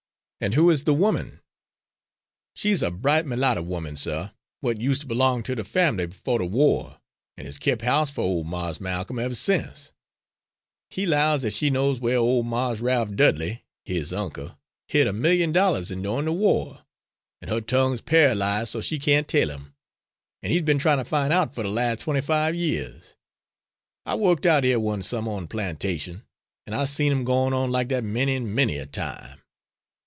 "And who is the woman?" "She's a bright mulattah 'oman, suh, w'at use' ter b'long ter de family befo' de wah, an' has kep' house fer ole Mars' Ma'com ever sense. He 'lows dat she knows whar old Mars' Rafe Dudley, his uncle, hid a million dollahs endyoin' de wah, an' huh tongue's paralyse' so she can't tell 'im an' he's be'n tryin' ter fin' out fer de las' twenty five years. I wo'ked out hyuh one summer on plantation, an' I seen 'em gwine on like dat many 'n' many a time.